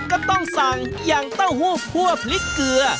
ก็ต้องสั่งอย่างเต้าหู้คั่วพริกเกลือ